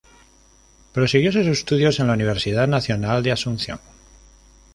Prosiguió sus estudios en la Universidad Nacional de Asunción.